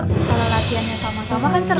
kalau latihannya sama sama kan seru